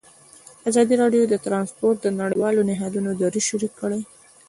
ازادي راډیو د ترانسپورټ د نړیوالو نهادونو دریځ شریک کړی.